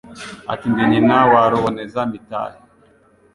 Ati: ndi nyina wa Ruboneza-mitari*